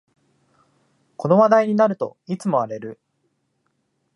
この話題になるといつも荒れる